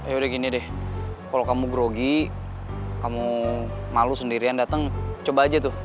ya udah gini deh kalau kamu grogi kamu malu sendirian dateng coba aja tuh